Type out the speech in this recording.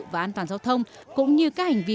và an toàn giao thông cũng như các hành vi